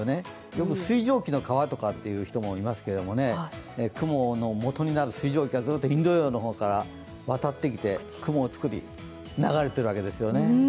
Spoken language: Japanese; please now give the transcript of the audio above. よく水蒸気の川とか言う人もいますけれども、雲のもとになる水蒸気がずっとインド洋の方から渡ってきて雲を作り流れているわけですよね。